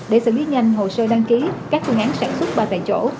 để xử lý nhanh hồ sơ đăng ký các phương án sản xuất ba tại chỗ